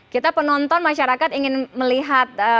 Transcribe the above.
kita penonton masyarakat ingin melihat